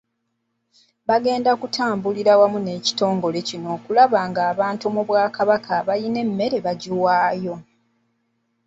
Bagenda kutambulira wamu n’ekitongole kino okulaba ng’abantu mu Bwakabaka abalina emmere bagiwaayo .